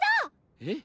えっ？